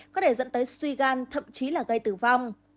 có thể dẫn tới suy gan thậm chí là gây tử vong